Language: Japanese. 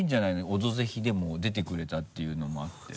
「オドぜひ」でも出てくれたっていうのもあって。